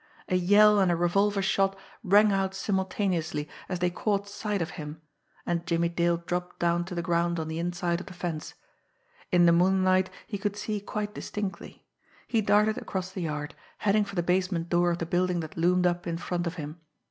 A yell and a revolver shot rang out simultaneously as they caught sight of him and Jimmie Dale dropped down to the ground on the inside of the fence. In the moonlight he could see quite distinctly. He darted across the yard, heading for the basement door of the building that loomed up in front of him.